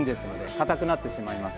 硬くなってしまいます。